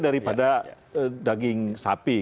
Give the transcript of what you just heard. daripada daging sapi